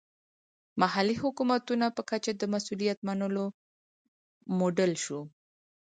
محلي حکومتونو په کچه د مسوولیت منلو موډل شو.